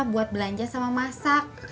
buat belanja sama masak